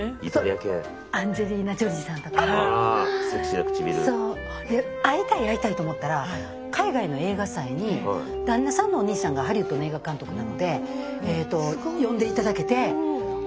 外国の俳優さんに憧れがあって会いたい会いたいと思ったら海外の映画祭に旦那さんのお兄さんがハリウッドの映画監督なので呼んで頂けて叶うものね。